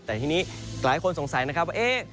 แต่ทีนี้หลายคนสงสัยนะครับว่า